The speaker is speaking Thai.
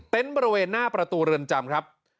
บริเวณหน้าประตูเรือนจำครับ